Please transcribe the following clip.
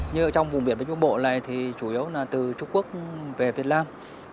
như ở trong vùng biển bến trung bộ này thì chủ yếu là từ trung quốc về việt nam